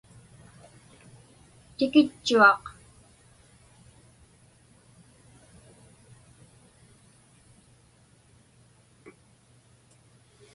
Tikitchuaq.